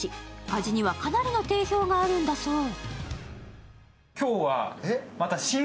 味にはかなりの定評があるんだそう。